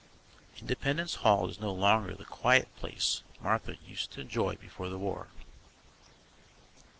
Independence Hall is no longer the quiet old place Martha used to enjoy before the war.